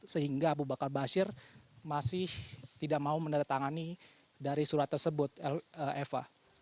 sehingga abu bakar bashir masih tidak mau menandatangani dari surat tersebut eva